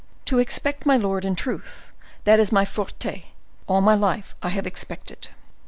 "To expect, my lord, in truth, that is my forte; all my life I have expected."